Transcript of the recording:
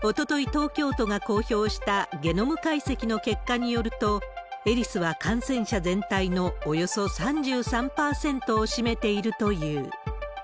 東京都が公表したゲノム解析の結果によると、エリスは感染者全体のおよそ３３％を占めているという。